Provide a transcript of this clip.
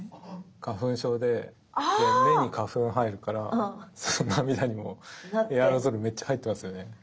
花粉症で目に花粉入るからその涙にもエアロゾルめっちゃ入ってますよね？